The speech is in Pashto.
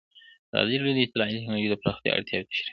ازادي راډیو د اطلاعاتی تکنالوژي د پراختیا اړتیاوې تشریح کړي.